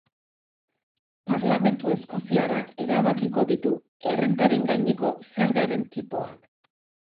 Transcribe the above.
Parlamentu eskoziarrak erabakiko ditu errentaren gaineko zergaren tipoak.